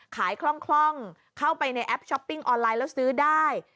คล่องเข้าไปในแอปช้อปปิ้งออนไลน์แล้วซื้อได้